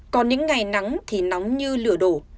còn những ngày nắng thì nóng như lửa đổ